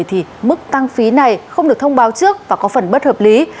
thì mức tăng phí này không được thông báo trước và có phần bất hợp lý